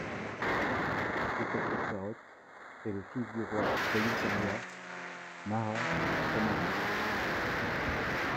Ekathotsarot est le fils du roi d'Ayuthaya Maha Thammarat.